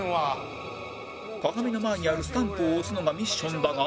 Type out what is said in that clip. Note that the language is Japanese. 鏡の前にあるスタンプを押すのがミッションだが